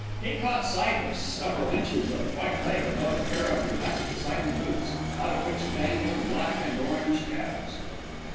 He caught sight of several inches of white leg above a pair of elastic sided boots, out of which dangled black and orange tabs.